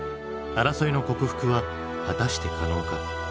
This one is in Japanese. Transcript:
争いの克服は果たして可能か。